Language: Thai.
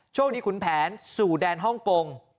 โชคดีขุนแผนสู่แดนฮ่องกง